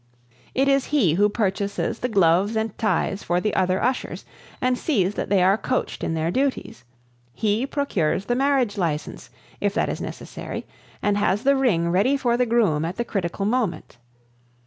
It is he who purchases the gloves and ties for the other ushers and sees that they are coached in their duties; he procures the marriage license, if that is necessary, and has the ring ready for the groom at the critical moment.